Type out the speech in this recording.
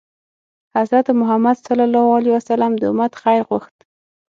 حضرت محمد ﷺ د امت خیر غوښت.